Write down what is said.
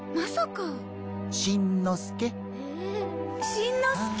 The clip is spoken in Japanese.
しんのすけ。